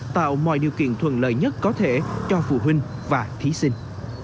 tạo mọi điều kiện thuận lợi nhất có thể cho phụ huynh và thí sinh